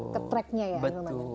ke tracknya ya